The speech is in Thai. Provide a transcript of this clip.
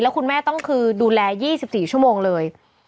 คุณแม่ต้องคือดูแล๒๔ชั่วโมงเลย